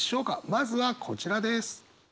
まずはこちらです。